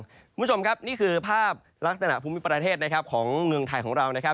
คุณผู้ชมครับนี่คือภาพลักษณะภูมิประเทศของเมืองไทยของเรา